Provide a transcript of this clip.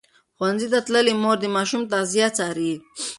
ښوونځې تللې مور د ماشوم تغذیه څاري.